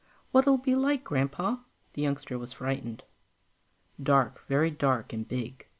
"What'll it be like, Grandpa?" The youngster was frightened. "Dark, very dark, and big.